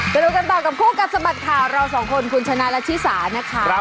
ดูกันต่อกับคู่กัดสะบัดข่าวเราสองคนคุณชนะและชิสานะคะ